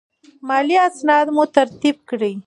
مالي اسناد مو ترتیب کړئ.